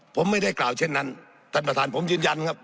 ผมไม่ได้กล่าวเช่นนั้นท่านประธานผมยืนยันครับ